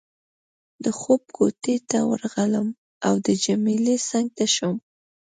د خوب کوټې ته ورغلم او د جميله څنګ ته شوم.